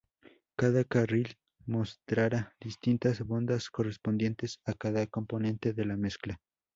Cada carril mostrará distintas bandas correspondientes a cada componente de la mezcla.